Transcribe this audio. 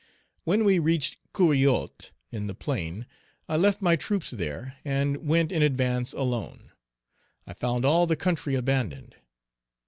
When we reached Couriotte, in the plain, I left my troops there, and went in advance alone. I found all the country abandoned.